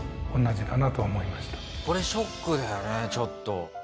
これショックだよねちょっと。